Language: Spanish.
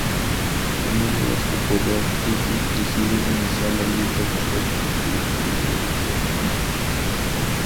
Teniendo este poder, Ikki decide iniciar la lucha contra sus antiguos compañeros de orfanato.